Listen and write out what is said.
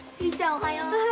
おはよう。